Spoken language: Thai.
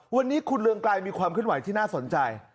วันนี้คุณเรืองไกรมีความขึ้นไหวที่น่าสนใจ